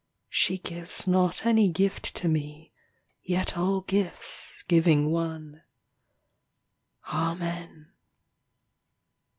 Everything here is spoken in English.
She gives not any gift to me Yet all gifts, giving one.... Amen.